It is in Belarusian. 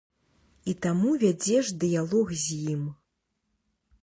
І таму вядзеш дыялог з ім.